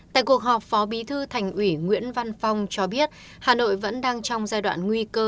tại cuộc họp phó bí thư thành ủy nguyễn văn phong cho biết hà nội vẫn đang trong giai đoạn nguy cơ